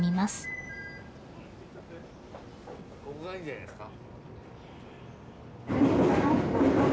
ここがいいんじゃないですか。